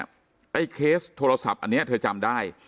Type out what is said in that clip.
ไอ้เคสโทรศัพท์อันนี้เธอจำได้